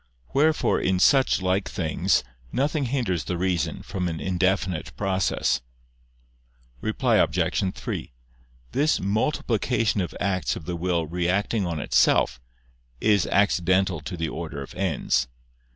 Wherefore in such like things nothing hinders the reason from an indefinite process. Reply Obj. 3: This multiplication of acts of the will reacting on itself, is accidental to the order of ends.